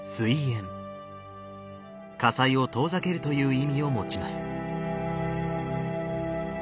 火災を遠ざけるという意味を持ちます。